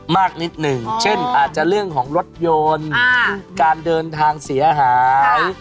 นิดหนึ่งเช่นอาจจะเรื่องของรถยนต์การเดินทางเสียหาย